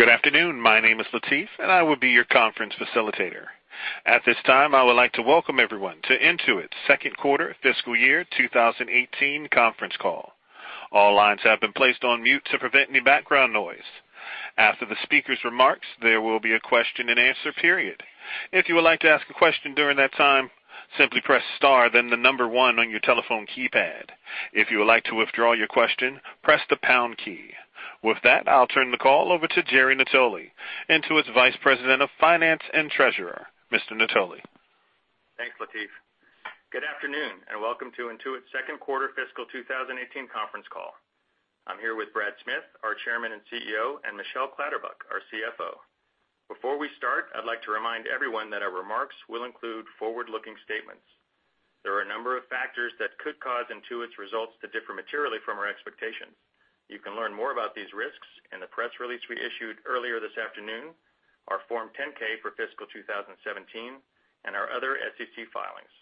Good afternoon. My name is Latif, and I will be your conference facilitator. At this time, I would like to welcome everyone to Intuit's second quarter fiscal year 2018 conference call. All lines have been placed on mute to prevent any background noise. After the speaker's remarks, there will be a question and answer period. If you would like to ask a question during that time, simply press star then the number one on your telephone keypad. If you would like to withdraw your question, press the pound key. With that, I'll turn the call over to Jerry Natoli, Intuit's Vice President of Finance and Treasurer. Mr. Natoli. Thanks, Latif. Good afternoon, and welcome to Intuit's second quarter fiscal 2018 conference call. I'm here with Brad Smith, our Chairman and CEO, and Michelle Clatterbuck, our CFO. Before we start, I'd like to remind everyone that our remarks will include forward-looking statements. There are a number of factors that could cause Intuit's results to differ materially from our expectations. You can learn more about these risks in the press release we issued earlier this afternoon, our Form 10-K for fiscal 2017, and our other SEC filings.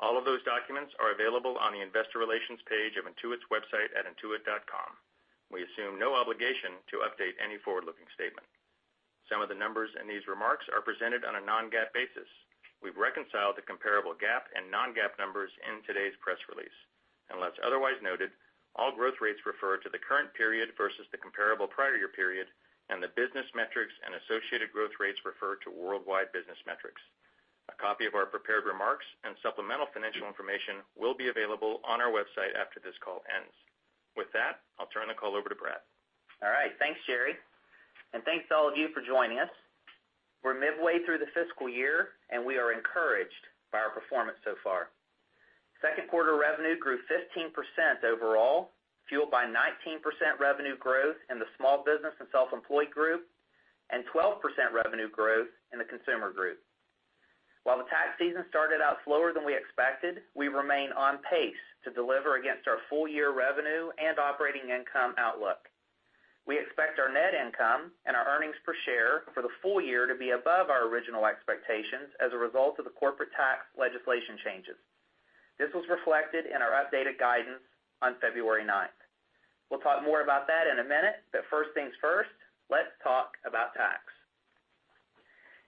All of those documents are available on the investor relations page of Intuit's website at intuit.com. We assume no obligation to update any forward-looking statement. Some of the numbers in these remarks are presented on a non-GAAP basis. We've reconciled the comparable GAAP and non-GAAP numbers in today's press release. Unless otherwise noted, all growth rates refer to the current period versus the comparable prior year period, and the business metrics and associated growth rates refer to worldwide business metrics. A copy of our prepared remarks and supplemental financial information will be available on our website after this call ends. With that, I'll turn the call over to Brad. All right. Thanks, Jerry, and thanks to all of you for joining us. We're midway through the fiscal year, and we are encouraged by our performance so far. Second quarter revenue grew 15% overall, fueled by 19% revenue growth in the Small Business and Self-Employed Group and 12% revenue growth in the Consumer Group. While the tax season started out slower than we expected, we remain on pace to deliver against our full-year revenue and operating income outlook. We expect our net income and our earnings per share for the full year to be above our original expectations as a result of the corporate tax legislation changes. This was reflected in our updated guidance on February 9th. We'll talk more about that in a minute, first things first, let's talk about tax.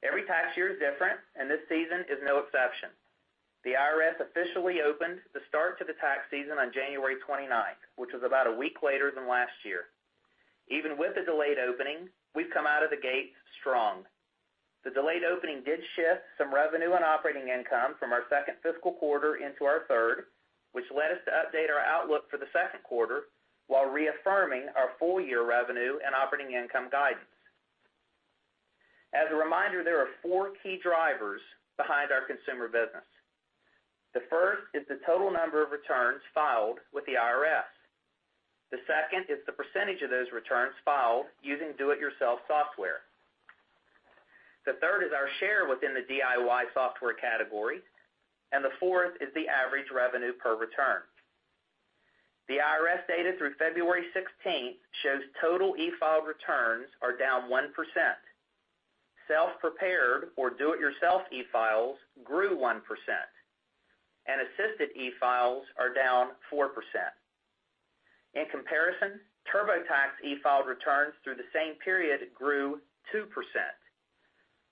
Every tax year is different, and this season is no exception. The IRS officially opened the start to the tax season on January 29th, which was about a week later than last year. Even with the delayed opening, we've come out of the gate strong. The delayed opening did shift some revenue and operating income from our second fiscal quarter into our third, which led us to update our outlook for the second quarter while reaffirming our full-year revenue and operating income guidance. As a reminder, there are four key drivers behind our consumer business. The first is the total number of returns filed with the IRS. The second is the percentage of those returns filed using do-it-yourself software. The third is our share within the DIY software category, and the fourth is the average revenue per return. The IRS data through February 16th shows total e-filed returns are down 1%. Self-prepared or do-it-yourself e-files grew 1%, and assisted e-files are down 4%. In comparison, TurboTax e-filed returns through the same period grew 2%.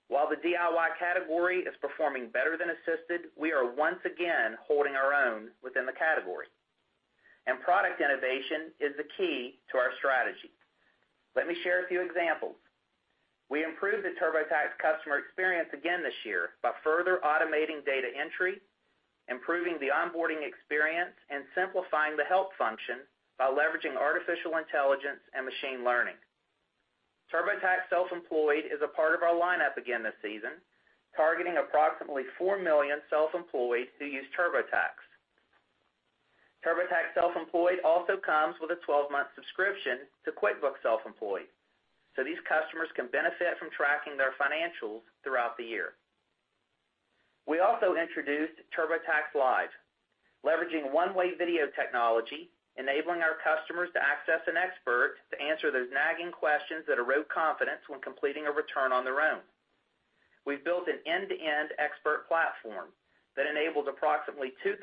While the DIY category is performing better than assisted, we are once again holding our own within the category. Product innovation is the key to our strategy. Let me share a few examples. We improved the TurboTax customer experience again this year by further automating data entry, improving the onboarding experience, and simplifying the help function by leveraging artificial intelligence and machine learning. TurboTax Self-Employed is a part of our lineup again this season, targeting approximately 4 million self-employed who use TurboTax. TurboTax Self-Employed also comes with a 12-month subscription to QuickBooks Self-Employed. These customers can benefit from tracking their financials throughout the year. We also introduced TurboTax Live, leveraging one-way video technology, enabling our customers to access an expert to answer those nagging questions that erode confidence when completing a return on their own. We've built an end-to-end expert platform that enables approximately 2,000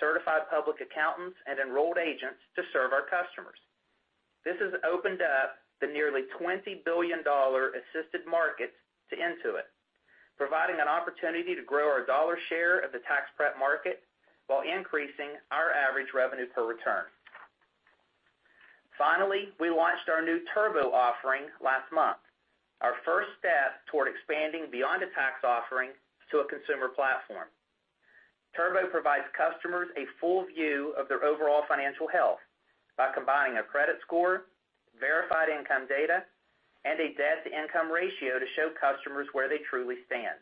certified public accountants and enrolled agents to serve our customers. This has opened up the nearly $20 billion assisted market to Intuit, providing an opportunity to grow our dollar share of the tax prep market while increasing our average revenue per return. We launched our new Turbo offering last month, our first step toward expanding beyond a tax offering to a consumer platform. Turbo provides customers a full view of their overall financial health by combining a credit score, verified income data, and a debt-to-income ratio to show customers where they truly stand.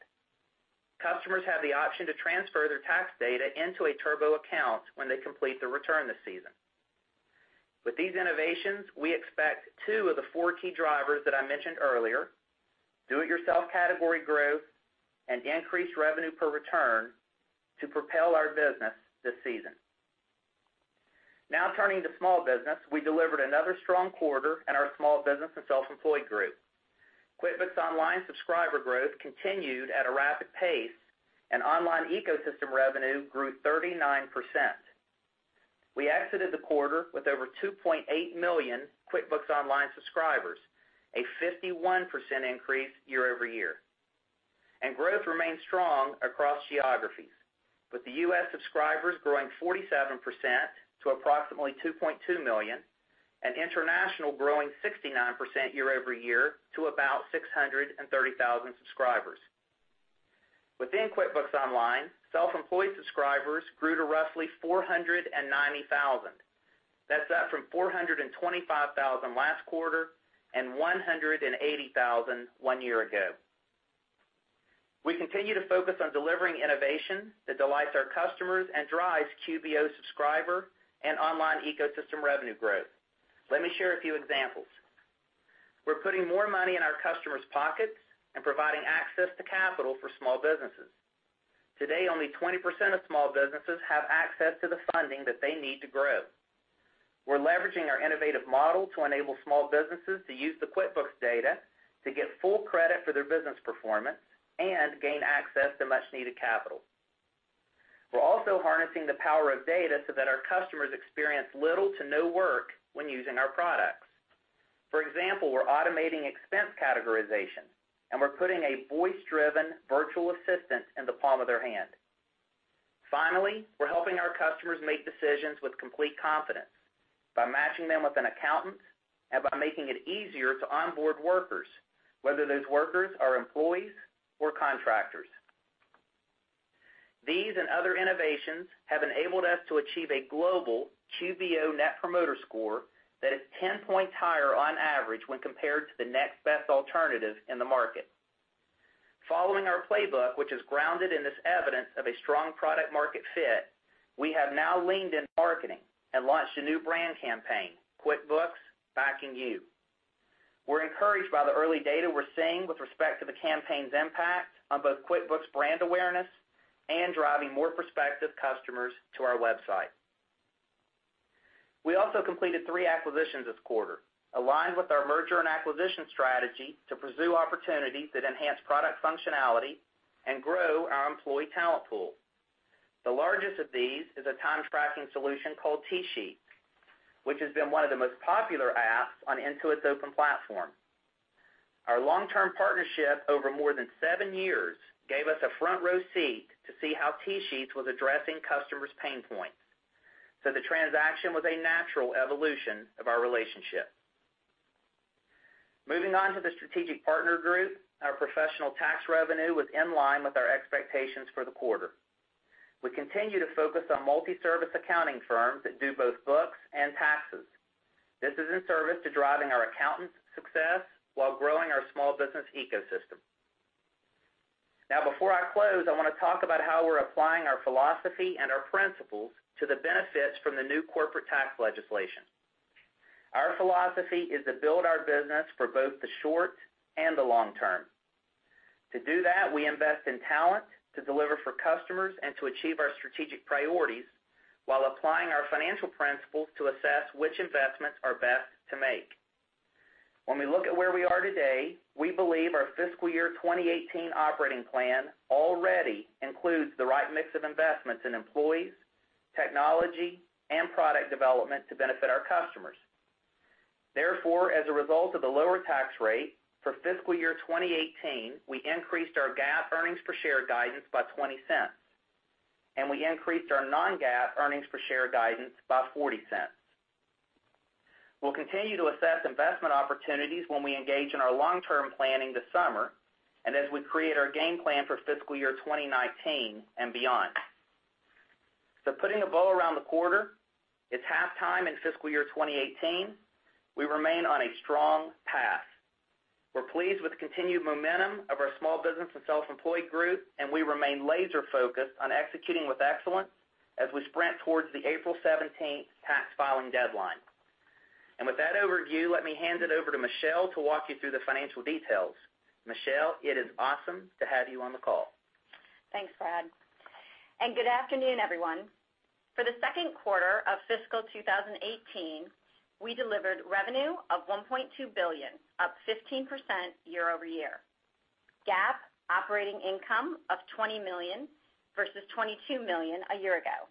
Customers have the option to transfer their tax data into a Turbo account when they complete their return this season. With these innovations, we expect two of the four key drivers that I mentioned earlier, do-it-yourself category growth and increased revenue per return, to propel our business this season. Turning to small business. We delivered another strong quarter in our small business and self-employed group. QuickBooks Online subscriber growth continued at a rapid pace, and online ecosystem revenue grew 39%. We exited the quarter with over 2.8 million QuickBooks Online subscribers, a 51% increase year-over-year. Growth remains strong across geographies, with the U.S. subscribers growing 47% to approximately 2.2 million, and international growing 69% year-over-year to about 630,000 subscribers. Within QuickBooks Online, self-employed subscribers grew to roughly 490,000. That's up from 425,000 last quarter and 180,000 one year ago. We continue to focus on delivering innovation that delights our customers and drives QBO subscriber and online ecosystem revenue growth. Let me share a few examples. We're putting more money in our customers' pockets and providing access to capital for small businesses. Today, only 20% of small businesses have access to the funding that they need to grow. We're leveraging our innovative model to enable small businesses to use the QuickBooks data to get full credit for their business performance and gain access to much-needed capital. We're also harnessing the power of data so that our customers experience little to no work when using our products. For example, we're automating expense categorization, and we're putting a voice-driven virtual assistant in the palm of their hand. We're helping our customers make decisions with complete confidence by matching them with an accountant and by making it easier to onboard workers, whether those workers are employees or contractors. These and other innovations have enabled us to achieve a global QBO net promoter score that is 10 points higher on average when compared to the next best alternative in the market. Following our playbook, which is grounded in this evidence of a strong product market fit, we have now leaned in marketing and launched a new brand campaign, QuickBooks Backing You. We're encouraged by the early data we're seeing with respect to the campaign's impact on both QuickBooks brand awareness and driving more prospective customers to our website. We also completed three acquisitions this quarter, aligned with our merger and acquisition strategy to pursue opportunities that enhance product functionality and grow our employee talent pool. The largest of these is a time-tracking solution called TSheets, which has been one of the most popular apps on Intuit's open platform. Our long-term partnership over more than seven years gave us a front-row seat to see how TSheets was addressing customers' pain points. The transaction was a natural evolution of our relationship. Moving on to the strategic partner group, our professional tax revenue was in line with our expectations for the quarter. We continue to focus on multi-service accounting firms that do both books and taxes. This is in service to driving our accountants' success while growing our small business ecosystem. Before I close, I want to talk about how we're applying our philosophy and our principles to the benefits from the new corporate tax legislation. Our philosophy is to build our business for both the short and the long term. To do that, we invest in talent to deliver for customers and to achieve our strategic priorities while applying our financial principles to assess which investments are best to make. When we look at where we are today, we believe our fiscal year 2018 operating plan already includes the right mix of investments in employees, technology, and product development to benefit our customers. Therefore, as a result of the lower tax rate for fiscal year 2018, we increased our GAAP earnings per share guidance by $0.20, and we increased our non-GAAP earnings per share guidance by $0.40. We'll continue to assess investment opportunities when we engage in our long-term planning this summer and as we create our game plan for fiscal year 2019 and beyond. Putting a bow around the quarter, it's halftime in fiscal year 2018. We remain on a strong path. We're pleased with the continued momentum of our small business and self-employed group. We remain laser-focused on executing with excellence as we sprint towards the April 17th tax filing deadline. With that overview, let me hand it over to Michelle to walk you through the financial details. Michelle, it is awesome to have you on the call. Thanks, Brad. Good afternoon, everyone. For the second quarter of fiscal 2018, we delivered revenue of $1.2 billion, up 15% year-over-year. GAAP operating income of $20 million versus $22 million a year ago.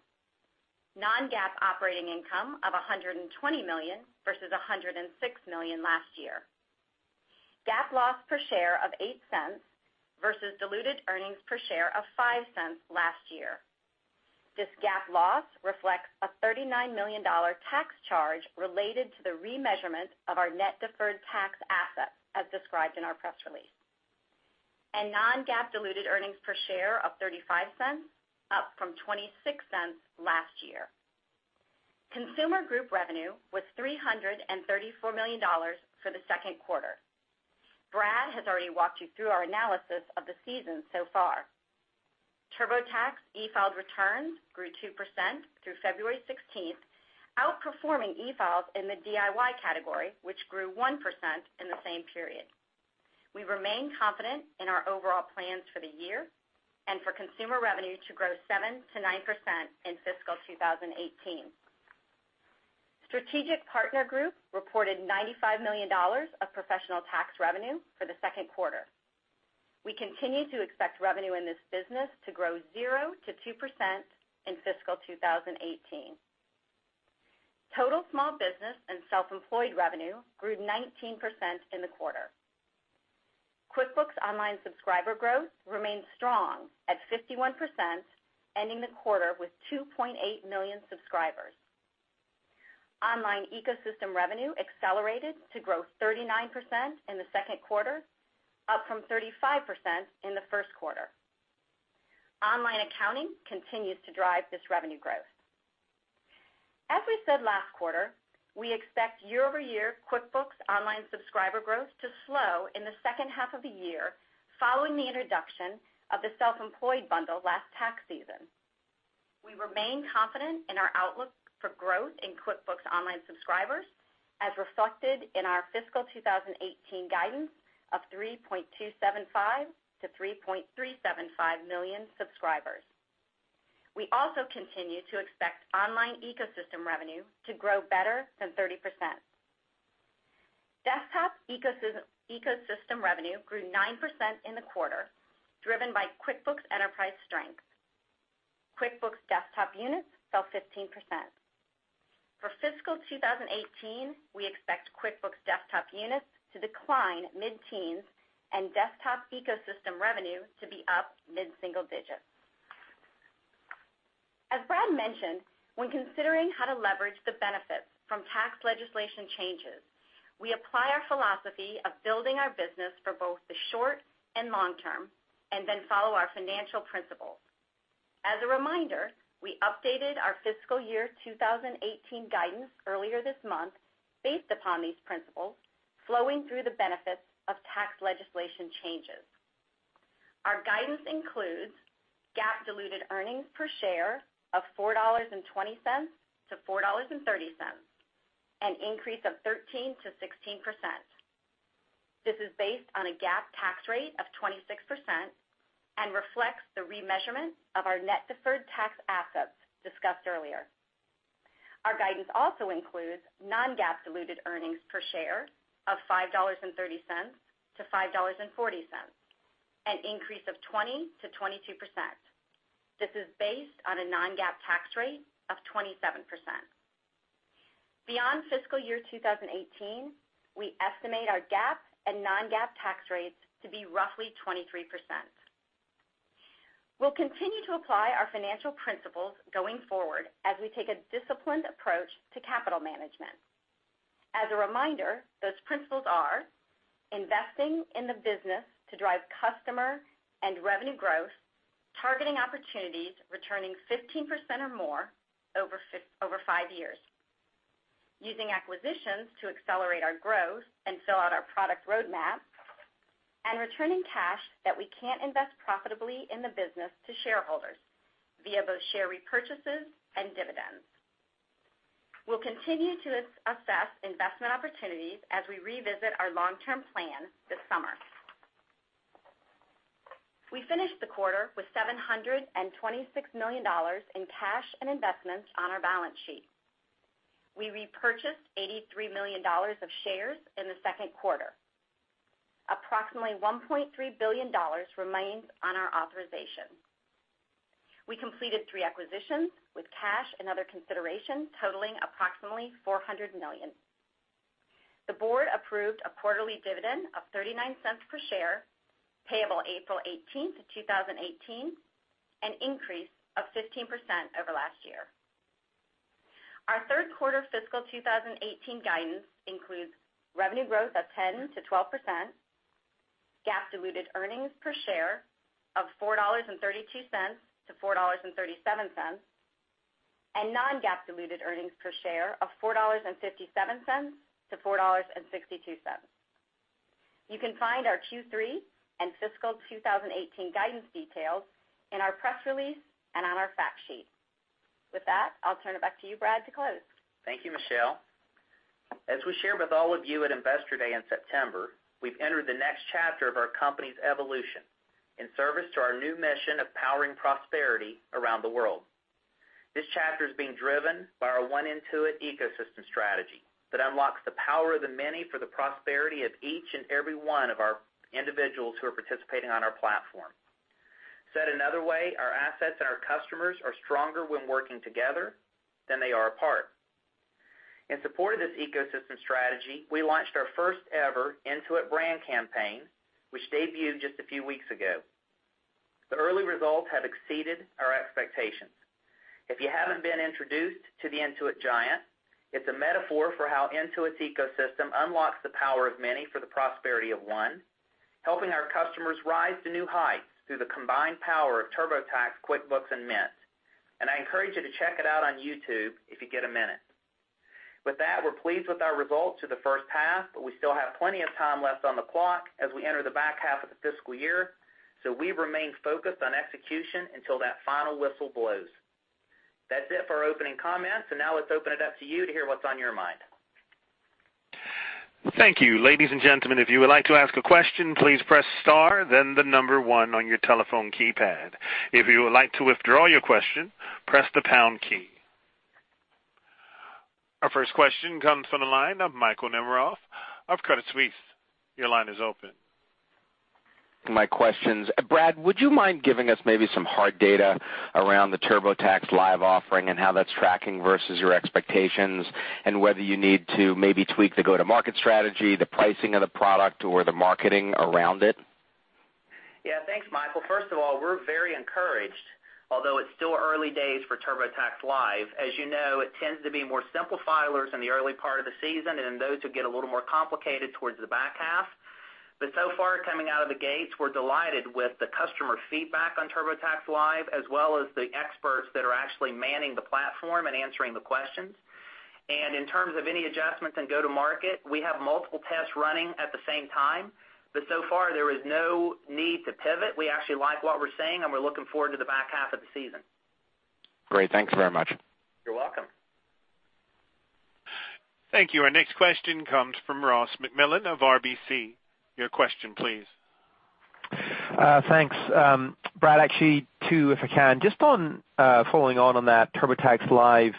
Non-GAAP operating income of $120 million versus $106 million last year. GAAP loss per share of $0.08 versus diluted earnings per share of $0.05 last year. This GAAP loss reflects a $39 million tax charge related to the remeasurement of our net deferred tax asset, as described in our press release. Non-GAAP diluted earnings per share of $0.35, up from $0.26 last year. Consumer Group revenue was $334 million for the second quarter. Brad has already walked you through our analysis of the season so far. TurboTax e-filed returns grew 2% through February 16th, outperforming e-files in the DIY category, which grew 1% in the same period. We remain confident in our overall plans for the year and for consumer revenue to grow 7%-9% in fiscal 2018. Strategic Partner Group reported $95 million of professional tax revenue for the second quarter. We continue to expect revenue in this business to grow 0%-2% in fiscal 2018. Total small business and self-employed revenue grew 19% in the quarter. QuickBooks Online subscriber growth remained strong at 51%, ending the quarter with 2.8 million subscribers. Online ecosystem revenue accelerated to grow 39% in the second quarter, up from 35% in the first quarter. Online accounting continues to drive this revenue growth. As we said last quarter, we expect year-over-year QuickBooks Online subscriber growth to slow in the second half of the year following the introduction of the self-employed bundle last tax season. We remain confident in our outlook for growth in QuickBooks Online subscribers, as reflected in our fiscal 2018 guidance of 3.275 million-3.375 million subscribers. We also continue to expect online ecosystem revenue to grow better than 30%. Desktop ecosystem revenue grew 9% in the quarter, driven by QuickBooks Enterprise strength. QuickBooks Desktop units fell 15%. For fiscal 2018, we expect QuickBooks Desktop units to decline mid-teens and desktop ecosystem revenue to be up mid-single digits. As Brad mentioned, when considering how to leverage the benefits from tax legislation changes, we apply our philosophy of building our business for both the short and long term, and then follow our financial principles. As a reminder, we updated our fiscal year 2018 guidance earlier this month based upon these principles, flowing through the benefits of tax legislation changes. Our guidance includes GAAP diluted earnings per share of $4.20 to $4.30, an increase of 13%-16%. This is based on a GAAP tax rate of 26% and reflects the remeasurement of our net deferred tax assets discussed earlier. Our guidance also includes non-GAAP diluted earnings per share of $5.30 to $5.40, an increase of 20%-22%. This is based on a non-GAAP tax rate of 27%. Beyond fiscal year 2018, we estimate our GAAP and non-GAAP tax rates to be roughly 23%. We'll continue to apply our financial principles going forward as we take a disciplined approach to capital management. As a reminder, those principles are investing in the business to drive customer and revenue growth, targeting opportunities returning 15% or more over five years, using acquisitions to accelerate our growth and fill out our product roadmap, and returning cash that we can't invest profitably in the business to shareholders via both share repurchases and dividends. We'll continue to assess investment opportunities as we revisit our long-term plan this summer. We finished the quarter with $726 million in cash and investments on our balance sheet. We repurchased $83 million of shares in the second quarter. Approximately $1.3 billion remains on our authorization. We completed three acquisitions, with cash and other considerations totaling approximately $400 million. The board approved a quarterly dividend of $0.39 per share, payable April 18th, 2018, an increase of 15% over last year. Our third quarter fiscal 2018 guidance includes revenue growth of 10%-12%, GAAP diluted earnings per share of $4.32 to $4.37, and non-GAAP diluted earnings per share of $4.57 to $4.62. You can find our Q3 and fiscal 2018 guidance details in our press release and on our fact sheet. With that, I'll turn it back to you, Brad, to close. Thank you, Michelle. As we shared with all of you at Investor Day in September, we've entered the next chapter of our company's evolution in service to our new mission of powering prosperity around the world. This chapter is being driven by our One Intuit ecosystem strategy that unlocks the power of the many for the prosperity of each and every one of our individuals who are participating on our platform. Said another way, our assets and our customers are stronger when working together than they are apart. In support of this ecosystem strategy, we launched our first ever Intuit brand campaign, which debuted just a few weeks ago. The early results have exceeded our expectations. If you haven't been introduced to the Intuit Giant, it's a metaphor for how Intuit's ecosystem unlocks the power of many for the prosperity of one, helping our customers rise to new heights through the combined power of TurboTax, QuickBooks, and Mint. I encourage you to check it out on YouTube if you get a minute. With that, we're pleased with our results for the first half, we still have plenty of time left on the clock as we enter the back half of the fiscal year, we remain focused on execution until that final whistle blows. That's it for opening comments. Now let's open it up to you to hear what's on your mind. Well, thank you. Ladies and gentlemen, if you would like to ask a question, please press star then the number 1 on your telephone keypad. If you would like to withdraw your question, press the pound key. Our first question comes from the line of Michael Nemeroff of Credit Suisse. Your line is open. My questions. Brad, would you mind giving us maybe some hard data around the TurboTax Live offering and how that's tracking versus your expectations, and whether you need to maybe tweak the go-to-market strategy, the pricing of the product, or the marketing around it? Yeah, thanks, Michael. First of all, we're very encouraged, although it's still early days for TurboTax Live. As you know, it tends to be more simple filers in the early part of the season then those who get a little more complicated towards the back half. So far, coming out of the gates, we're delighted with the customer feedback on TurboTax Live, as well as the experts that are actually manning the platform and answering the questions. In terms of any adjustments in go-to-market, we have multiple tests running at the same time, so far there is no need to pivot. We actually like what we're seeing, we're looking forward to the back half of the season. Great. Thanks very much. You're welcome. Thank you. Our next question comes from Ross MacMillan of RBC. Your question please. Thanks. Brad, actually two, if I can. Just on following on that TurboTax Live,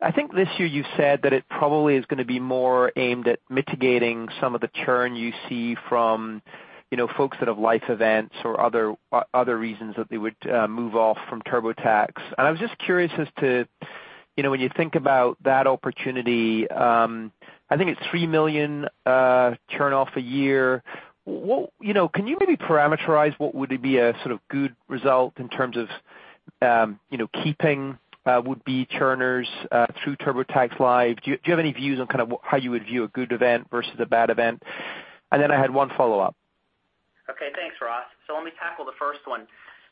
I think this year you said that it probably is going to be more aimed at mitigating some of the churn you see from folks that have life events or other reasons that they would move off from TurboTax. I was just curious as to when you think about that opportunity, I think it's 3 million churn off a year. Can you maybe parameterize what would be a sort of good result in terms of keeping would-be churners through TurboTax Live? Do you have any views on how you would view a good event versus a bad event? Then I had one follow-up. Okay, thanks, Ross. Let me tackle the first one.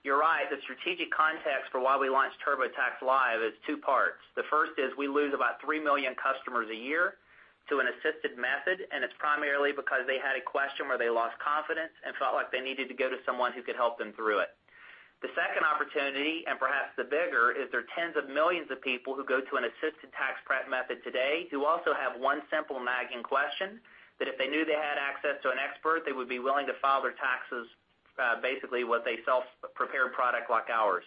You're right, the strategic context for why we launched TurboTax Live is two parts. The first is we lose about 3 million customers a year to an assisted method, and it's primarily because they had a question where they lost confidence and felt like they needed to go to someone who could help them through it. The second opportunity, and perhaps the bigger, is there are tens of millions of people who go to an assisted tax prep method today who also have one simple nagging question that if they knew they had access to an expert, they would be willing to file their taxes, basically with a self-prepared product like ours.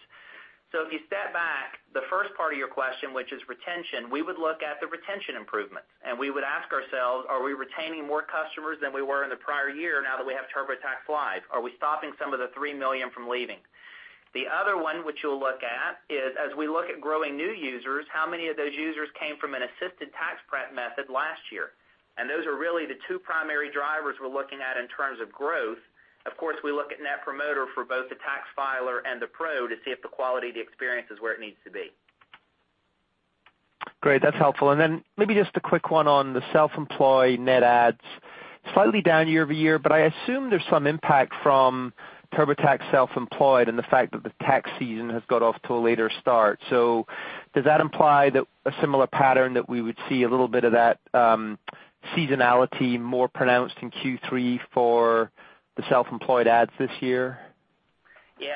If you step back, the first part of your question, which is retention, we would look at the retention improvements, and we would ask ourselves, are we retaining more customers than we were in the prior year now that we have TurboTax Live? Are we stopping some of the 3 million from leaving? The other one which we'll look at is, as we look at growing new users, how many of those users came from an assisted tax prep method last year? Those are really the two primary drivers we're looking at in terms of growth. Of course, we look at net promoter for both the tax filer and the pro to see if the quality of the experience is where it needs to be. Great. That's helpful. Maybe just a quick one on the Self-Employed net adds. Slightly down year-over-year, but I assume there's some impact from TurboTax Self-Employed and the fact that the tax season has got off to a later start. Does that imply that a similar pattern that we would see a little bit of that seasonality more pronounced in Q3 for the Self-Employed adds this year? Yeah.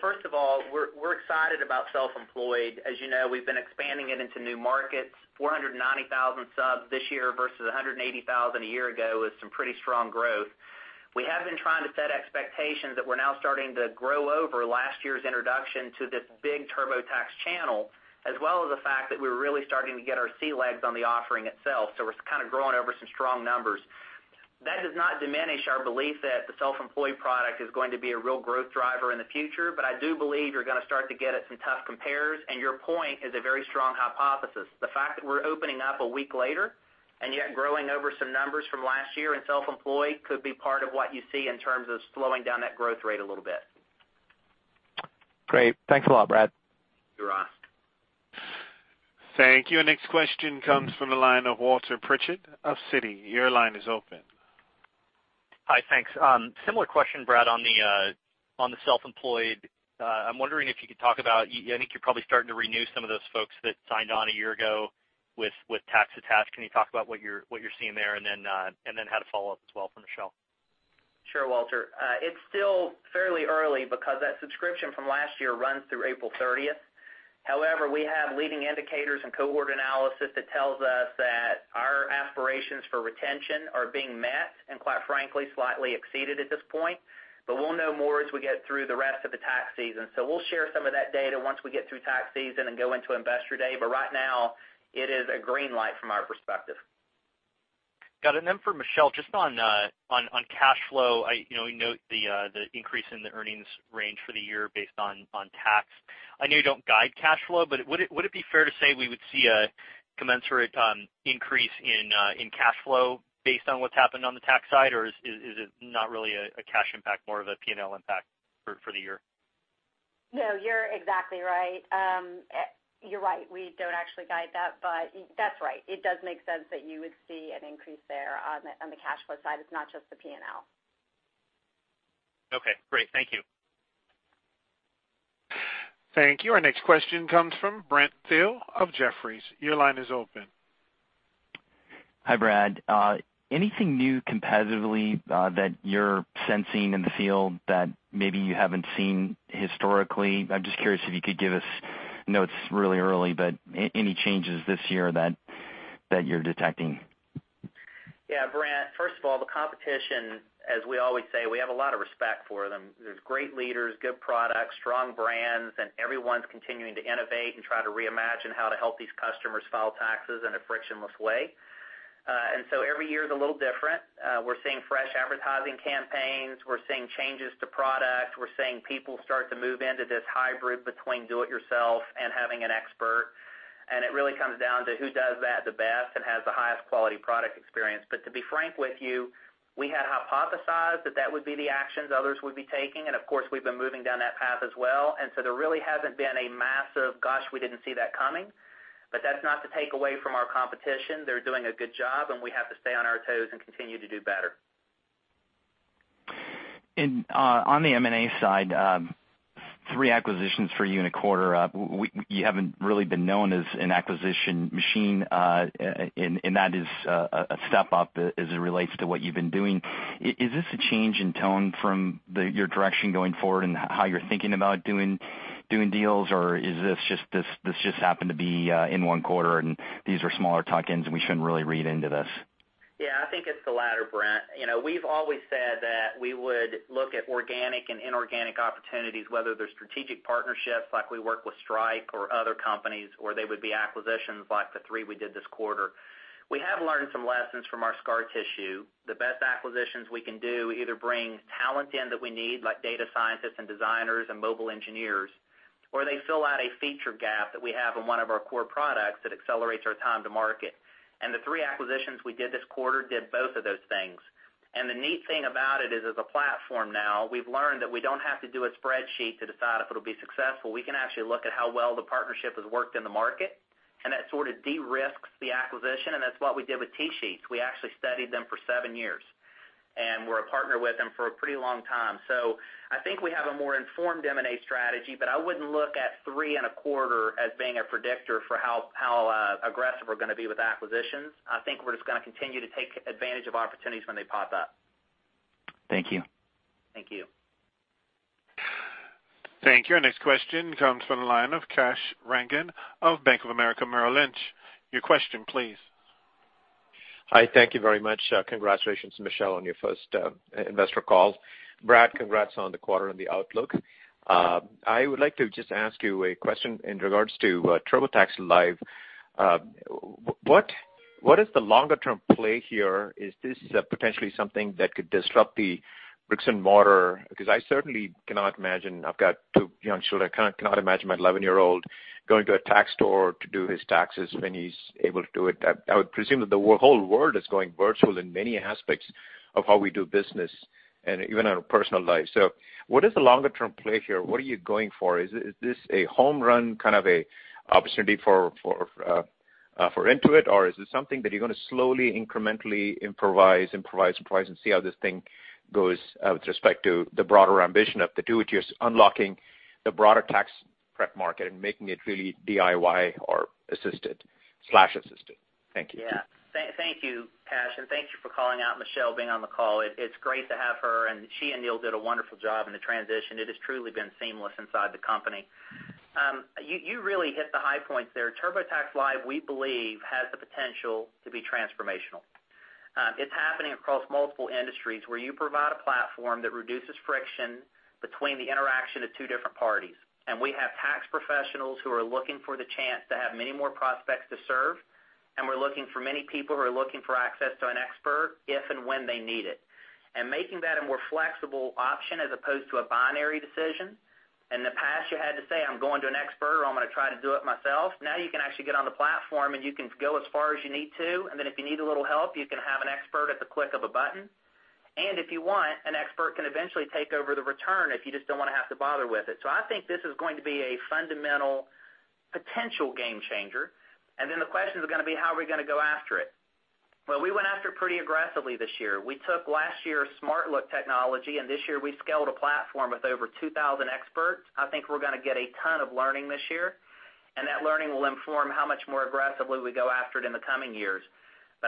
First of all, we're excited about Self-Employed. As you know, we've been expanding it into new markets, 490,000 subs this year versus 180,000 a year ago is some pretty strong growth. We have been trying to set expectations that we're now starting to grow over last year's introduction to this big TurboTax channel, as well as the fact that we're really starting to get our sea legs on the offering itself. We're kind of growing over some strong numbers. That does not diminish our belief that the Self-Employed product is going to be a real growth driver in the future. I do believe you're going to start to get at some tough compares, your point is a very strong hypothesis. The fact that we're opening up a week later and yet growing over some numbers from last year in Self-Employed could be part of what you see in terms of slowing down that growth rate a little bit. Great. Thanks a lot, Brad. Sure, Ross. Thank you. Our next question comes from the line of Walter Pritchard of Citi. Your line is open. Hi. Thanks. Similar question, Brad, on the Self-Employed. I'm wondering if you could talk about, I think you're probably starting to renew some of those folks that signed on a year ago with TurboTax. Can you talk about what you're seeing there, and then how to follow up as well from Michelle? Sure, Walter. It's still fairly early because that subscription from last year runs through April 30th. We have leading indicators and cohort analysis that tells us that our aspirations for retention are being met and quite frankly, slightly exceeded at this point. We'll know more as we get through the rest of the tax season. We'll share some of that data once we get through tax season and go into Investor Day. Right now, it is a green light from our perspective. Got it. For Michelle, just on cash flow. We note the increase in the earnings range for the year based on tax. I know you don't guide cash flow, would it be fair to say we would see a commensurate increase in cash flow based on what's happened on the tax side? Is it not really a cash impact, more of a P&L impact for the year? No, you're exactly right. You're right. We don't actually guide that's right. It does make sense that you would see an increase there on the cash flow side. It's not just the P&L. Okay, great. Thank you. Thank you. Our next question comes from Brent Thill of Jefferies. Your line is open. Hi, Brad. Anything new competitively that you're sensing in the field that maybe you haven't seen historically? I'm just curious if you could give us I know it's really early, but any changes this year that you're detecting? Yeah, Brent, first of all, the competition, as we always say, we have a lot of respect for them. There's great leaders, good products, strong brands, everyone's continuing to innovate and try to reimagine how to help these customers file taxes in a frictionless way. Every year is a little different. We're seeing fresh advertising campaigns. We're seeing changes to product. We're seeing people start to move into this hybrid between do it yourself and having an expert. It really comes down to who does that the best and has the highest quality product experience. To be frank with you, we had hypothesized that that would be the actions others would be taking, and of course, we've been moving down that path as well. There really hasn't been a massive, "Gosh, we didn't see that coming." That's not to take away from our competition. They're doing a good job, and we have to stay on our toes and continue to do better. On the M&A side, three acquisitions for you in a quarter. You haven't really been known as an acquisition machine, and that is a step up as it relates to what you've been doing. Is this a change in tone from your direction going forward and how you're thinking about doing deals? Or this just happened to be in one quarter, and these are smaller tuck-ins, and we shouldn't really read into this? Yeah, I think it's the latter, Brent. We've always said that we would look at organic and inorganic opportunities, whether they're strategic partnerships like we work with Stripe or other companies, or they would be acquisitions like the three we did this quarter. We have learned some lessons from our scar tissue. The best acquisitions we can do either bring talent in that we need, like data scientists and designers and mobile engineers, or they fill out a feature gap that we have in one of our core products that accelerates our time to market. The three acquisitions we did this quarter did both of those things. The neat thing about it is, as a platform now, we've learned that we don't have to do a spreadsheet to decide if it'll be successful. We can actually look at how well the partnership has worked in the market, and that sort of de-risks the acquisition, and that's what we did with TSheets. We actually studied them for seven years, and we're a partner with them for a pretty long time. I think we have a more informed M&A strategy, I wouldn't look at three and a quarter as being a predictor for how aggressive we're going to be with acquisitions. I think we're just going to continue to take advantage of opportunities when they pop up. Thank you. Thank you. Thank you. Our next question comes from the line of Kash Rangan of Bank of America Merrill Lynch. Your question, please. Hi. Thank you very much. Congratulations, Michelle, on your first investor call. Brad, congrats on the quarter and the outlook. I would like to just ask you a question in regards to TurboTax Live. What is the longer-term play here? Is this potentially something that could disrupt the bricks and mortar? Because I certainly cannot imagine, I've got two young children, I cannot imagine my 11-year-old going to a tax store to do his taxes when he's able to do it. I would presume that the whole world is going virtual in many aspects of how we do business and even our personal life. What is the longer-term play here? What are you going for? Is this a home run kind of a opportunity for Intuit, or is it something that you're going to slowly, incrementally improvise and see how this thing goes with respect to the broader ambition of the do-it-yourself, unlocking the broader tax prep market and making it really DIY/assisted? Thank you. Yeah. Thank you, Kash, and thank you for calling out Michelle being on the call. It's great to have her, and she and Neil did a wonderful job in the transition. It has truly been seamless inside the company. You really hit the high points there. TurboTax Live, we believe, has the potential to be transformational. It's happening across multiple industries where you provide a platform that reduces friction between the interaction of two different parties. We have tax professionals who are looking for the chance to have many more prospects to serve, and we're looking for many people who are looking for access to an expert if and when they need it. Making that a more flexible option as opposed to a binary decision. In the past, you had to say, "I'm going to an expert," or, "I'm going to try to do it myself." Now you can actually get on the platform, and you can go as far as you need to, and then if you need a little help, you can have an expert at the click of a button. If you want, an expert can eventually take over the return if you just don't want to have to bother with it. I think this is going to be a fundamental potential game changer, and then the question is going to be, how are we going to go after it? Well, we went after it pretty aggressively this year. We took last year's SmartLook technology, and this year we scaled a platform with over 2,000 experts. I think we're going to get a ton of learning this year, and that learning will inform how much more aggressively we go after it in the coming years.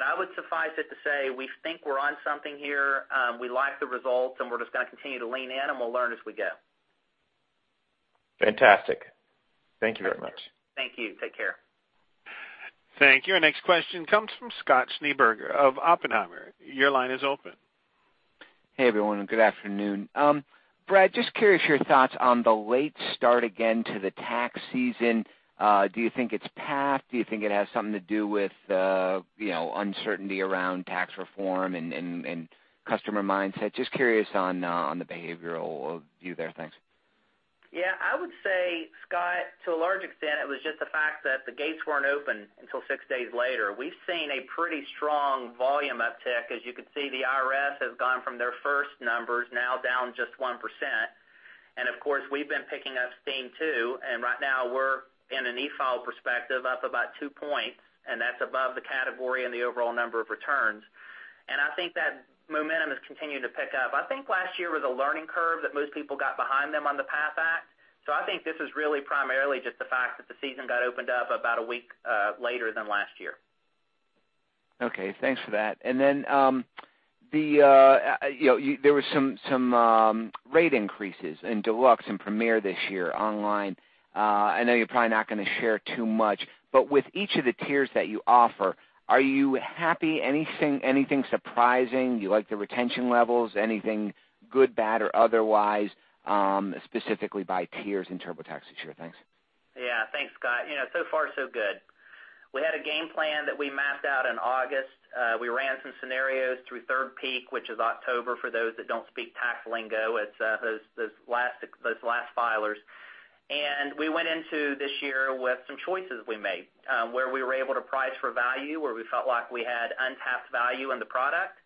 I would suffice it to say, we think we're on something here. We like the results, and we're just going to continue to lean in, and we'll learn as we go. Fantastic. Thank you very much. Thank you. Take care. Thank you. Our next question comes from Scott Schneeberger of Oppenheimer. Your line is open. Hey, everyone. Good afternoon. Brad, just curious your thoughts on the late start again to the tax season. Do you think it's PATH? Do you think it has something to do with uncertainty around tax reform and customer mindset? Just curious on the behavioral view there. Thanks. Yeah. I would say, Scott, to a large extent, it was just the fact that the gates weren't open until six days later. We've seen a pretty strong volume uptick. As you can see, the IRS has gone from their first numbers now down just 1%. Of course, we've been picking up steam, too, and right now we're in an e-file perspective up about two points, and that's above the category and the overall number of returns. I think that momentum has continued to pick up. I think last year was a learning curve that most people got behind them on the PATH Act. I think this is really primarily just the fact that the season got opened up about a week later than last year. Okay, thanks for that. There was some rate increases in Deluxe and Premier this year online. I know you're probably not going to share too much, but with each of the tiers that you offer, are you happy? Anything surprising? Do you like the retention levels? Anything good, bad, or otherwise, specifically by tiers in TurboTax this year? Thanks. Yeah. Thanks, Scott. So far so good. We had a game plan that we mapped out in August. We ran some scenarios through third peak, which is October, for those that don't speak tax lingo, it's those last filers. We went into this year with some choices we made, where we were able to price for value, where we felt like we had untapped value in the product.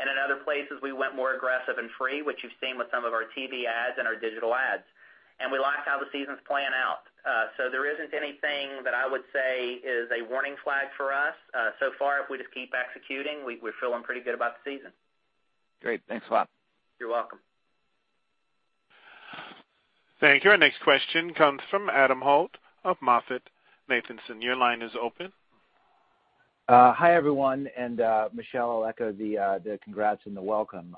In other places, we went more aggressive and free, which you've seen with some of our TV ads and our digital ads. We liked how the seasons plan out. There isn't anything that I would say is a warning flag for us. So far, if we just keep executing, we're feeling pretty good about the season. Great. Thanks a lot. You're welcome. Thank you. Our next question comes from Adam Holt of MoffettNathanson. Your line is open. Hi, everyone, and Michelle, I'll echo the congrats and the welcome.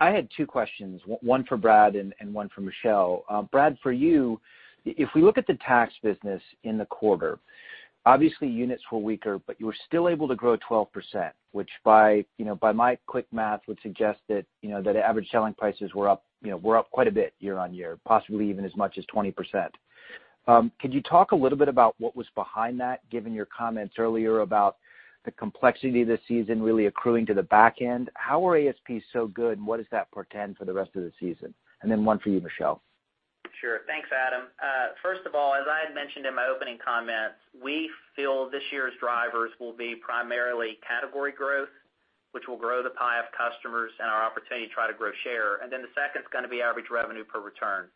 I had two questions, one for Brad and one for Michelle. Brad, for you, if we look at the tax business in the quarter, obviously units were weaker, but you were still able to grow 12%, which by my quick math, would suggest that average selling prices were up quite a bit year-on-year, possibly even as much as 20%. Could you talk a little bit about what was behind that, given your comments earlier about the complexity of the season really accruing to the back end? How are ASPs so good, and what does that portend for the rest of the season? Then one for you, Michelle. Sure. Thanks, Adam. First of all, as I had mentioned in my opening comments, we feel this year's drivers will be primarily category growth, which will grow the pie of customers and our opportunity to try to grow share. Then the second's going to be average revenue per return.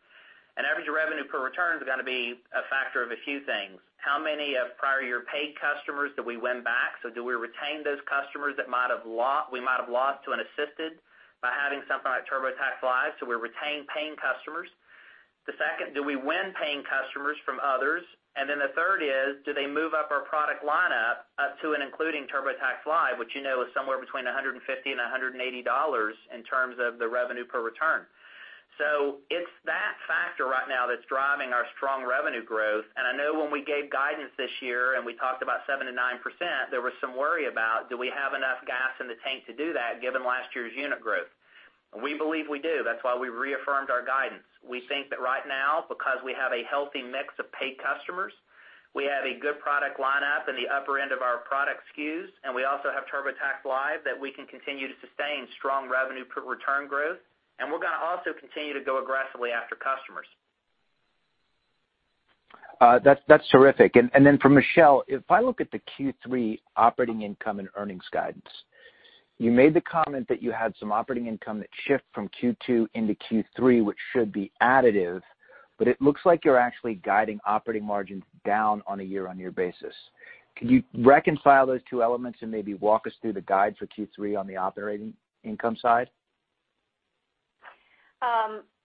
Average revenue per return is going to be a factor of a few things. How many of prior year paid customers did we win back? Do we retain those customers that we might have lost to an assisted by having something like TurboTax Live, so we retain paying customers. The second, do we win paying customers from others? Then the third is, do they move up our product lineup up to and including TurboTax Live, which you know is somewhere between $150 and $180 in terms of the revenue per return. It's that factor right now that's driving our strong revenue growth. I know when we gave guidance this year and we talked about 7%-9%, there was some worry about do we have enough gas in the tank to do that given last year's unit growth. We believe we do. That's why we reaffirmed our guidance. We think that right now, because we have a healthy mix of paid customers, we have a good product lineup in the upper end of our product SKUs, and we also have TurboTax Live that we can continue to sustain strong revenue per return growth, and we're going to also continue to go aggressively after customers. That's terrific. Then for Michelle, if I look at the Q3 operating income and earnings guidance, you made the comment that you had some operating income that shift from Q2 into Q3, which should be additive, but it looks like you're actually guiding operating margins down on a year-over-year basis. Can you reconcile those two elements and maybe walk us through the guide for Q3 on the operating income side?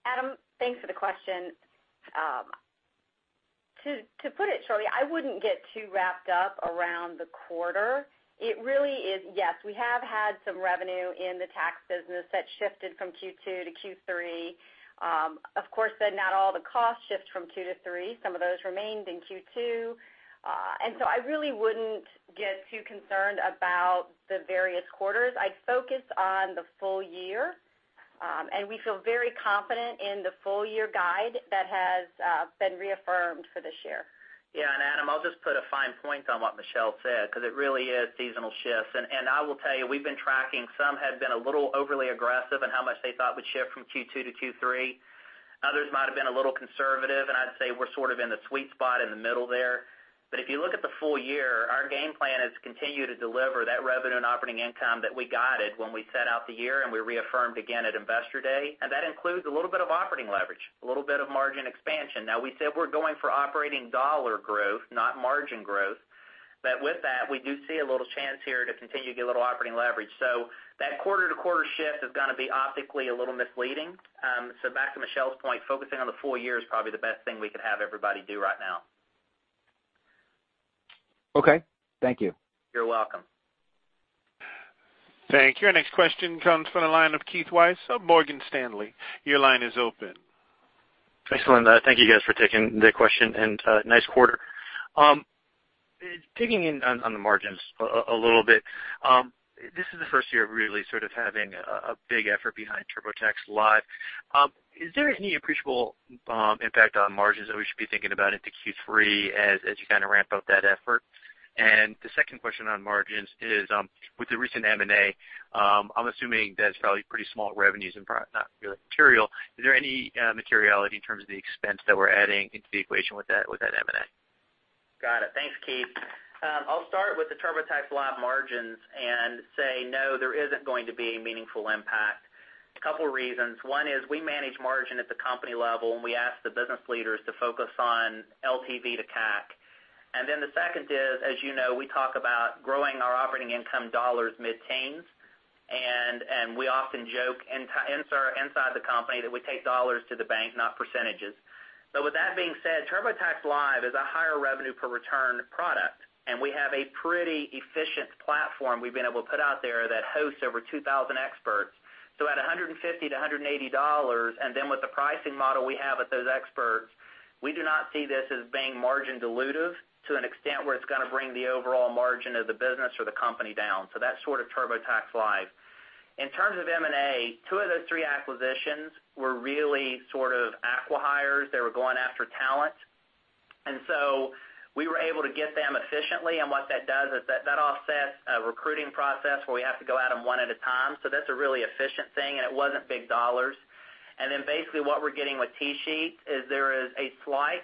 Adam, thanks for the question. To put it shortly, I wouldn't get too wrapped up around the quarter. It really is, yes, we have had some revenue in the tax business that shifted from Q2 to Q3. Of course, then not all the costs shift from two to three. Some of those remained in Q2. I really wouldn't get too concerned about the various quarters. I'd focus on the full year. We feel very confident in the full year guide that has been reaffirmed for this year. Yeah, Adam, I'll just put a fine point on what Michelle said, because it really is seasonal shifts. I will tell you, we've been tracking some have been a little overly aggressive in how much they thought would shift from Q2 to Q3. Others might have been a little conservative, and I'd say we're sort of in the sweet spot in the middle there. If you look at the full year, our game plan is to continue to deliver that revenue and operating income that we guided when we set out the year, and we reaffirmed again at Investor Day, and that includes a little bit of operating leverage, a little bit of margin expansion. Now, we said we're going for operating dollar growth, not margin growth. With that, we do see a little chance here to continue to get a little operating leverage. That quarter-to-quarter shift is going to be optically a little misleading. Back to Michelle's point, focusing on the full year is probably the best thing we could have everybody do right now. Okay. Thank you. You're welcome. Thank you. Our next question comes from the line of Keith Weiss of Morgan Stanley. Your line is open. Excellent. Thank you guys for taking the question. Nice quarter. Digging in on the margins a little bit. This is the first year of really sort of having a big effort behind TurboTax Live. Is there any appreciable impact on margins that we should be thinking about into Q3 as you kind of ramp up that effort? The second question on margins is, with the recent M&A, I'm assuming that's probably pretty small revenues and not really material. Is there any materiality in terms of the expense that we're adding into the equation with that M&A? Got it. Thanks, Keith. I'll start with the TurboTax Live margins and say, no, there isn't going to be a meaningful impact. A couple of reasons. One is we manage margin at the company level, and we ask the business leaders to focus on LTV to CAC. The second is, as you know, we talk about growing our operating income dollars mid-teens. We often joke inside the company that we take dollars to the bank, not percentages. With that being said, TurboTax Live is a higher revenue per return product, and we have a pretty efficient platform we've been able to put out there that hosts over 2,000 experts. At $150-$180, and then with the pricing model we have with those experts, we do not see this as being margin dilutive to an extent where it's going to bring the overall margin of the business or the company down. That's sort of TurboTax Live. In terms of M&A, two of those three acquisitions were really sort of acqui-hires. They were going after talent. We were able to get them efficiently, and what that does is that offsets a recruiting process where we have to go at them one at a time. That's a really efficient thing, and it wasn't big dollars. Basically what we're getting with TSheets is there is a slight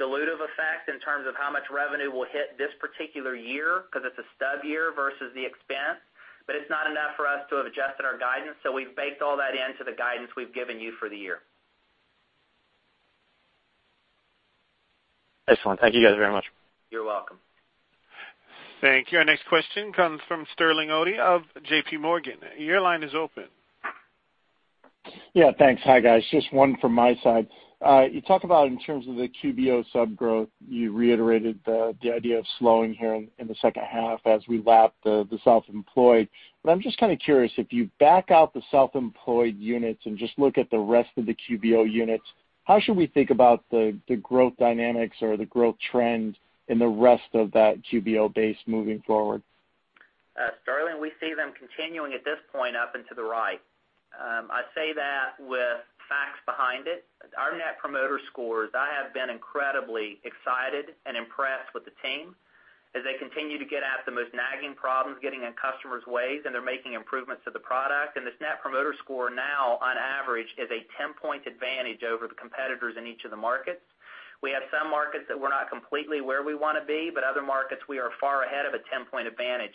dilutive effect in terms of how much revenue will hit this particular year because it's a stub year versus the expense, but it's not enough for us to have adjusted our guidance, so we've baked all that into the guidance we've given you for the year. Excellent. Thank you guys very much. You're welcome. Thank you. Our next question comes from Sterling Auty of JP Morgan. Your line is open. Thanks. Hi, guys. Just one from my side. You talk about in terms of the QBO sub growth, you reiterated the idea of slowing here in the second half as we lap the Self-Employed. I'm just kind of curious, if you back out the Self-Employed units and just look at the rest of the QBO units, how should we think about the growth dynamics or the growth trend in the rest of that QBO base moving forward? Sterling, we see them continuing at this point up and to the right. I say that with facts behind it. Our net promoter scores, I have been incredibly excited and impressed with the team as they continue to get at the most nagging problems getting in customers' ways, and they're making improvements to the product. This net promoter score now, on average, is a 10-point advantage over the competitors in each of the markets. We have some markets that we're not completely where we want to be, but other markets we are far ahead of a 10-point advantage.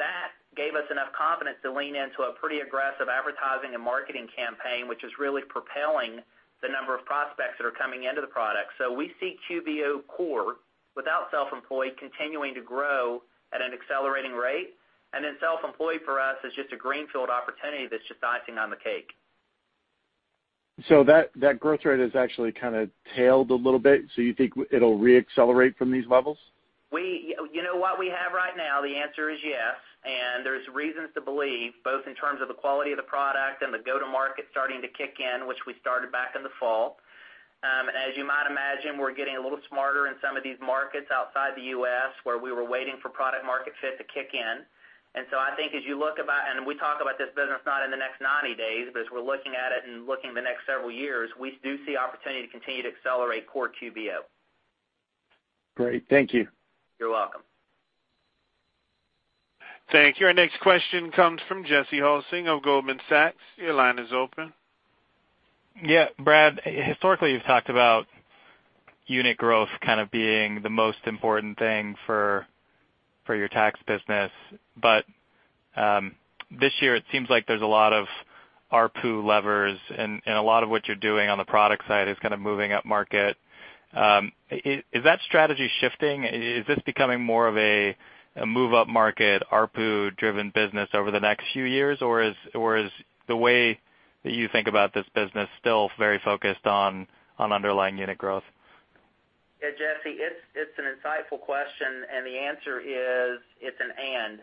That gave us enough confidence to lean into a pretty aggressive advertising and marketing campaign, which is really propelling the number of prospects that are coming into the product. We see QBO Core, without Self-Employed, continuing to grow at an accelerating rate. Self-Employed for us is just a greenfield opportunity that's just icing on the cake. That growth rate has actually kind of tailed a little bit. You think it'll re-accelerate from these levels? What we have right now, the answer is yes, and there's reasons to believe, both in terms of the quality of the product and the go-to-market starting to kick in, which we started back in the fall. As you might imagine, we're getting a little smarter in some of these markets outside the U.S. where we were waiting for product market fit to kick in. I think as you look about, and we talk about this business not in the next 90 days, but as we're looking at it and looking the next several years, we do see opportunity to continue to accelerate core QBO. Great. Thank you. You're welcome. Thank you. Our next question comes from Jesse Hulsing of Goldman Sachs. Your line is open. Yeah. Brad, historically, you've talked about unit growth kind of being the most important thing for your tax business. This year it seems like there's a lot of ARPU levers and a lot of what you're doing on the product side is kind of moving up market. Is that strategy shifting? Is this becoming more of a move up market, ARPU driven business over the next few years? Or is the way that you think about this business still very focused on underlying unit growth? Yeah, Jesse, it is an insightful question, the answer is it is an and.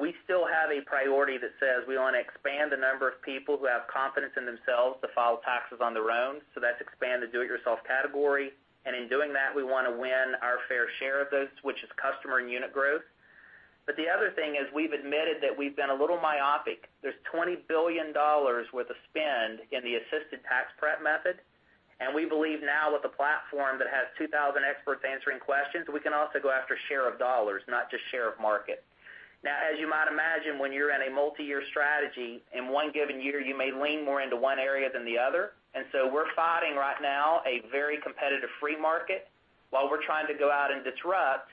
We still have a priority that says we want to expand the number of people who have confidence in themselves to file taxes on their own. That is expand the do it yourself category. In doing that, we want to win our fair share of those, which is customer and unit growth. The other thing is we have admitted that we have been a little myopic. There is $20 billion worth of spend in the assisted tax prep method, and we believe now with a platform that has 2,000 experts answering questions, we can also go after share of dollars, not just share of market. Now, as you might imagine, when you are in a multi-year strategy, in one given year, you may lean more into one area than the other. We are fighting right now a very competitive free market while we are trying to go out and disrupt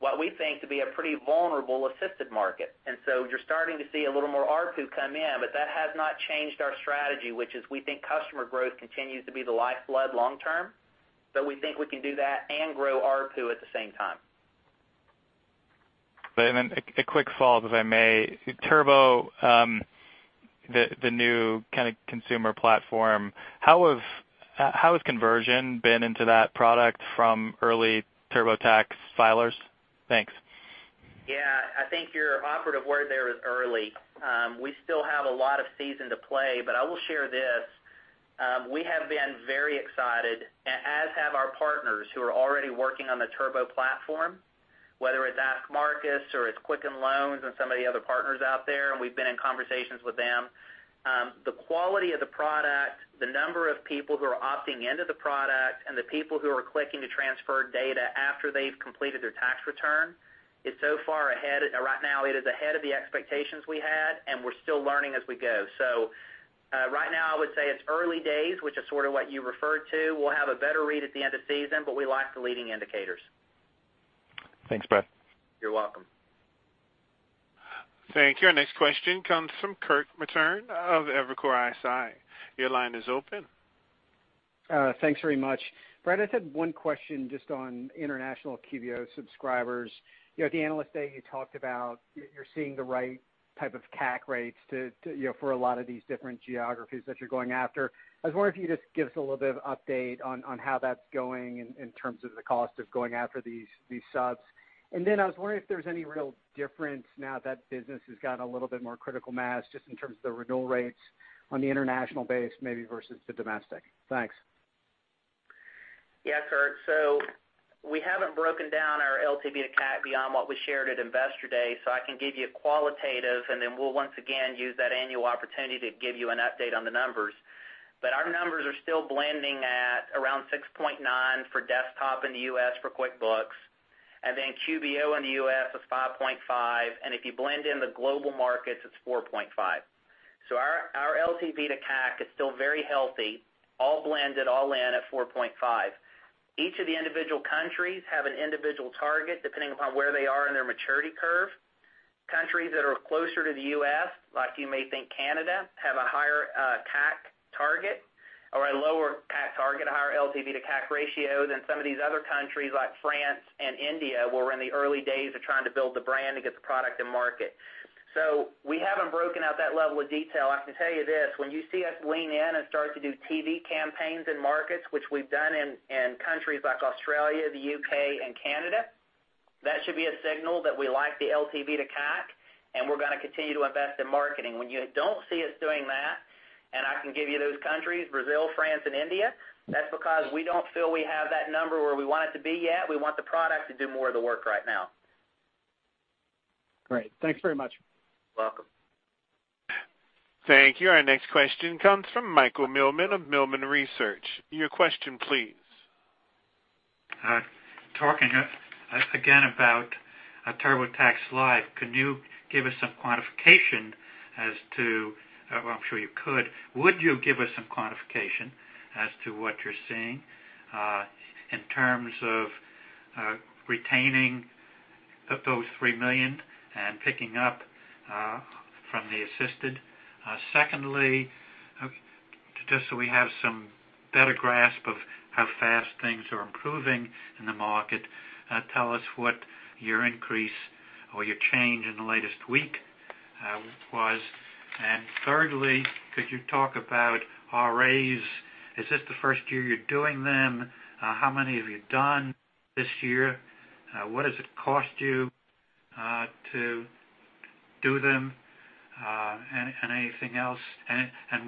what we think to be a pretty vulnerable assisted market. You are starting to see a little more ARPU come in, but that has not changed our strategy, which is we think customer growth continues to be the lifeblood long term. We think we can do that and grow ARPU at the same time. A quick follow up, if I may. Turbo, the new kind of consumer platform, how has conversion been into that product from early TurboTax filers? Thanks. Yeah. I think your operative word there is early. We still have a lot of season to play, but I will share this. We have been very excited, as have our partners who are already working on the Turbo platform, whether it is Ask Marcus or it is Quicken Loans and some of the other partners out there, and we have been in conversations with them. The quality of the product, the number of people who are opting into the product, and the people who are clicking to transfer data after they have completed their tax return is so far ahead. Right now it is ahead of the expectations we had, and we are still learning as we go. Right now I would say it is early days, which is sort of what you referred to. We will have a better read at the end of season, but we like the leading indicators. Thanks, Brad. You're welcome. Thank you. Our next question comes from Kirk Materne of Evercore ISI. Your line is open. Thanks very much. Brad, I just had one question just on international QBO subscribers. At the Analyst Day, you talked about you're seeing the right type of CAC rates for a lot of these different geographies that you're going after. I was wondering if you could just give us a little bit of update on how that's going in terms of the cost of going after these subs. I was wondering if there's any real difference now that business has gotten a little bit more critical mass, just in terms of the renewal rates on the international base, maybe versus the domestic. Thanks. Kirt. We haven't broken down our LTV to CAC beyond what we shared at Investor Day. I can give you a qualitative, and then we'll once again use that annual opportunity to give you an update on the numbers. Our numbers are still blending at around 6.9 for desktop in the U.S. for QuickBooks, and then QBO in the U.S. is 5.5, and if you blend in the global markets, it's 4.5. Our LTV to CAC is still very healthy, all blended, all in at 4.5. Each of the individual countries have an individual target, depending upon where they are in their maturity curve. Countries that are closer to the U.S., like you may think Canada, have a higher CAC target or a lower CAC target, a higher LTV to CAC ratio than some of these other countries like France and India, where we're in the early days of trying to build the brand to get the product to market. We haven't broken out that level of detail. I can tell you this, when you see us lean in and start to do TV campaigns in markets, which we've done in countries like Australia, the U.K. and Canada, that should be a signal that we like the LTV to CAC, and we're going to continue to invest in marketing. When you don't see us doing that, and I can give you those countries, Brazil, France and India, that's because we don't feel we have that number where we want it to be yet. We want the product to do more of the work right now. Great. Thanks very much. Welcome. Thank you. Our next question comes from Michael Millman of Millman Research. Your question please. Talking again about TurboTax Live, could you give us some quantification as to, well, I'm sure you could. Would you give us some quantification as to what you're seeing, in terms of retaining those 3 million and picking up from the assisted? Secondly, just so we have some better grasp of how fast things are improving in the market, tell us what your increase or your change in the latest week was. Thirdly, could you talk about RAs? Is this the first year you're doing them? How many have you done this year? What does it cost you to do them? Anything else,